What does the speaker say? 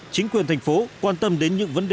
chính quyền thành phố quan tâm đến những vấn đề